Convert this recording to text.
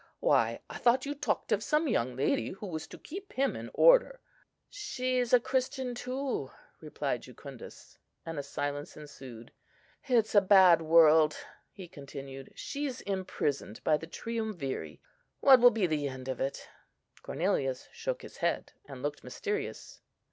Why, I thought you talked of some young lady who was to keep him in order?" "She's a Christian too," replied Jucundus; and a silence ensued. "It's a bad world!" he continued. "She's imprisoned by the Triumviri. What will be the end of it?" Cornelius shook his head, and looked mysterious.